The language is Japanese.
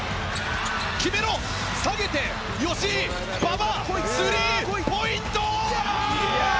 決めろ、下げて吉井、馬場、スリーポイント！